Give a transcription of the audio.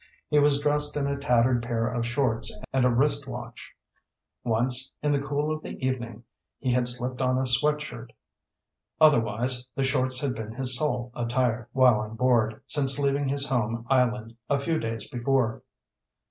He was dressed in a tattered pair of shorts and a wristwatch. Once, in the cool of the evening, he had slipped on a sweat shirt. Otherwise, the shorts had been his sole attire while on board since leaving his home island a few days before.